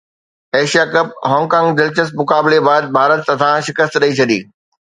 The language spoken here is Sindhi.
ايشيا ڪپ هانگ ڪانگ دلچسپ مقابلي بعد ڀارت هٿان شڪست ڏئي ڇڏي